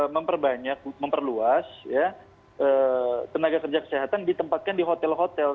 memperbanyak memperluas tenaga kerja kesehatan ditempatkan di hotel hotel